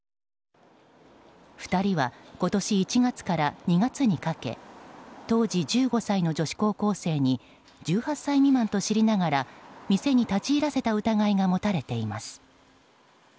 ２人は今年１月から２月にかけ当時１５歳の女子高校生に１８歳未満と知りながら店に立ち入らせた疑いが持たれています。